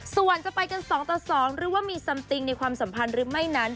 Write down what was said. ส่วนจะไปกัน๒ต่อ๒หรือว่ามีซัมติงในความสัมพันธ์หรือไม่นั้น